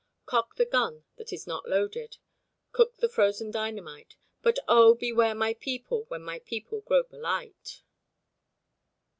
Cock the gun that is not loaded, Cook the frozen dynamite, But oh! beware my people, when my people grow polite.